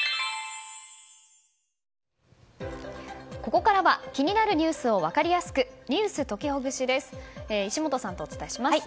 ここからは気になるニュースを分かりやすくｎｅｗｓときほぐしです。